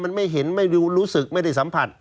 มันไม่เห็นไม่ดูรู้สึกไม่ได้สัมผัส